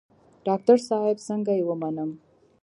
ډاکتر صاحب څنګه يې ومنم.